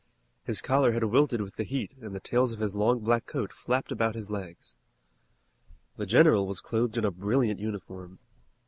His collar had wilted with the heat and the tails of his long black coat flapped about his legs. The general was clothed in a brilliant uniform.